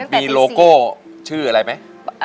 มีโลโก้ชื่ออะไรไหม